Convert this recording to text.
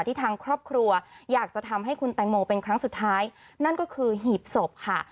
ทางครอบครัวอยากจะทำให้คุณแตงโมเป็นครั้งสุดท้ายนั่นก็คือหีบศพค่ะ